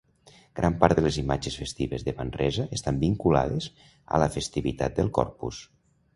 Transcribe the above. Gran part de les imatges festives de Manresa estan vinculades a la festivitat del Corpus.